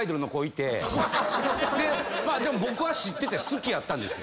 でも僕は知ってて好きやったんですよ。